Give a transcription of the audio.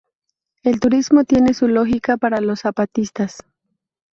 El turismo tiene su lógica para los zapatistas.